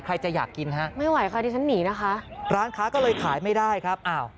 ใครจะอยากกินฮะร้านค้าก็เลยขายไม่ได้ครับอ้าว